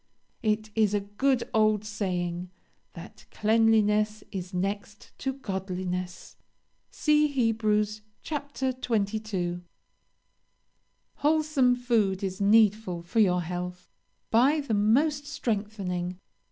It is a good old saying, that cleanliness is next to godliness. See Heb. x. 22. "Wholesome food is needful for your health. Buy the most strengthening.